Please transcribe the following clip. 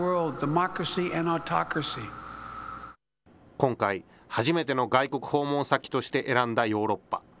今回、初めての外国訪問先として選んだヨーロッパ。